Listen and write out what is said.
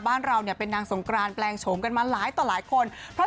บ้านเราเนี่ยเป็นนางสงกรานแปลงโฉมกันมาหลายต่อหลายคนเพราะ